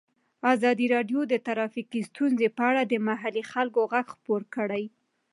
ازادي راډیو د ټرافیکي ستونزې په اړه د محلي خلکو غږ خپور کړی.